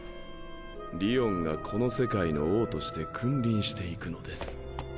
りおんがこの世界の王として君臨していくのです。